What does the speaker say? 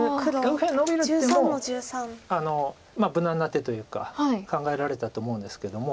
右辺ノビる手も無難な手というか考えられたと思うんですけども。